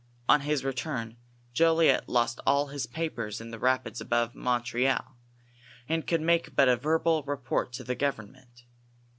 On his return Jolliet lost all his papers in the rapids above Mon treal, and could make but a verbal report to the government.